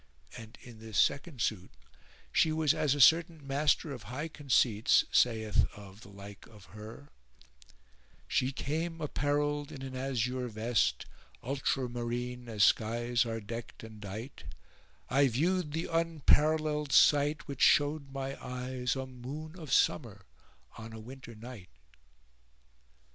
And in this second suit she was as a certain master of high conceits saith of the like of her:— She came apparelled in an azure vest, * Ultramarine, as skies are deckt and dight; I view'd th' unparellel'd sight, which show'd my eyes * A moon of Summer on a Winter night.